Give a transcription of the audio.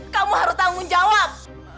kamu harus tanggung jawab